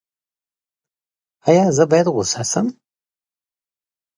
ایا زه باید غوسه شم؟